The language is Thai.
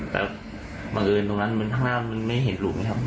แต่บางเงินตรงนั้นเหมือนห้างหน้ามันไม่เห็นหลุมเนี้ยครับ